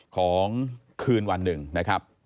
ของคืนวันหนึ่งนะครับ